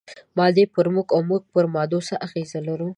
مادې پر موږ او موږ پر مادو څه اغېز لرو؟